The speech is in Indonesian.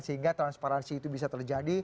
sehingga transparansi itu bisa terjadi